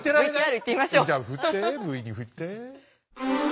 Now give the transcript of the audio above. じゃあふってＶにふって。